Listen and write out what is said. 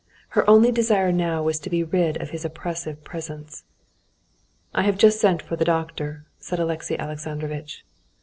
Her only desire now was to be rid of his oppressive presence. "I have just sent for the doctor," said Alexey Alexandrovitch.